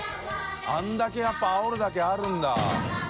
譴世やっぱあおるだけあるんだ。